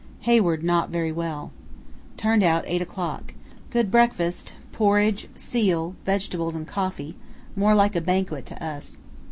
Hayward not very well. Turned out 8 o'clock. Good breakfast—porridge, seal, vegetables, and coffee; more like a banquet to us.